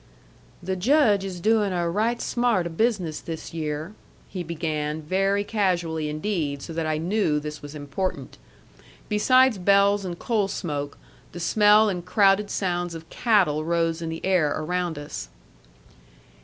"The Judge is doing a right smart o' business this year," he began, very casually indeed, so that I knew this was important. Besides bells and coal smoke, the smell and crowded sounds of cattle rose in the air around us.